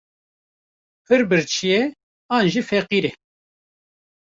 Pir birçî ye an jî feqîr e.